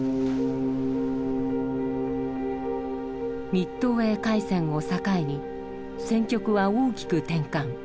ミッドウェー海戦を境に戦局は大きく転換。